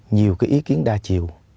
nhiều cái ý kiến đa chiều